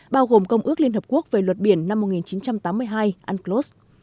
bao gồm công ước liên hợp quốc về luật biển năm một nghìn chín trăm tám mươi hai unclos